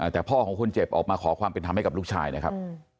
แต่พ่อของคนเจ็บออกมาขอความเป็นธรรมให้กับลูกชายนะครับ